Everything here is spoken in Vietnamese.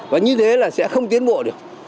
và như thế là sẽ không tiến bộ được